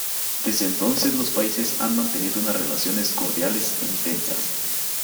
Desde entonces los países han mantenido unas relaciones cordiales e intensas.